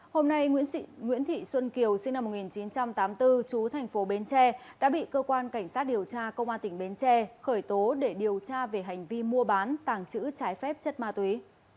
hôm nay nguyễn thị xuân kiều sinh năm một nghìn chín trăm tám mươi bốn chú thành phố bến tre đã bị cơ quan cảnh sát điều tra công an tỉnh bến tre khởi tố để điều tra về hành vi mua bán tàng trữ trái phép chất ma túy